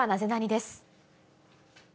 です。